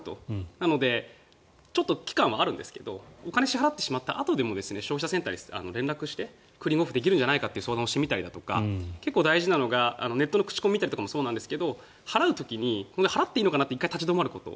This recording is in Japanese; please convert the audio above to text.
なのでちょっと期間はあるんですがお金を支払ってしまったあとでも消費者センターに連絡してクーリングオフできるか相談してみたり結構大事なのがネットの口コミもそうですが払う時に払っていいのかなって一回立ち止まること。